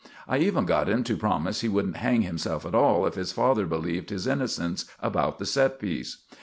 I even got him to promise he wouldn't hang himself at all if his father believed his innocence about the set piece.